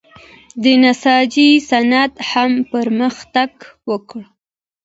د نساجۍ صنعت هم پرمختګ وکړ.